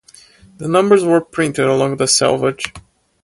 The numbers were printed along the selvage.